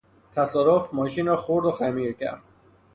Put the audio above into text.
تصادف ماشین را خرد و خمیر کرد.